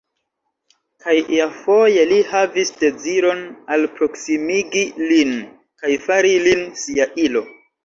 Kaj iafoje li havis deziron alproksimigi lin kaj fari lin sia ilo.